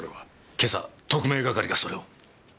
今朝特命係がそれを。